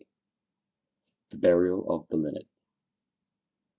THE BURIAL OF THE LINNET.